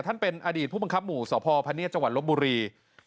ท่านเป็นอดีตผู้บังคับหมู่สพพเนียดจังหวัดลบบุรี